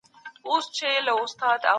ماشوم لیکل کاوه.